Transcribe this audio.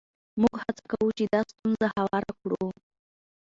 موږ هڅه کوو چې دا ستونزه هواره کړو.